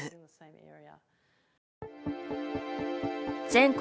全国